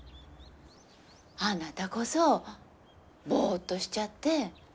あなたこそぼっとしちゃって。